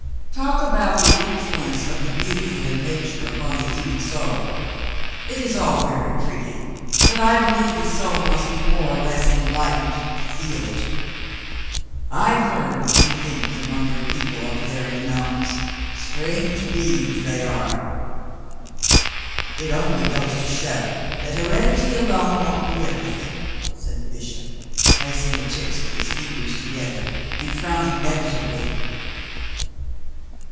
"Talk about the influence of the beautiful in nature upon the human soul, — it is all very pretty, but I believe the soul must be more or less enli<2:htened to feel it. I've learned a few things among your people up there in the mountains. Strange bcinfsrs thev are." *'It onlv goes to show that hereditv alone won't do every thing," said the bishop, placing the tips of his fingers together and frowning meditatively.